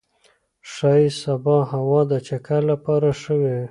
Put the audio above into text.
ښايي سبا هوا د چکر لپاره ښه وي.